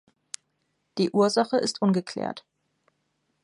Die Ursache ist ungeklärt.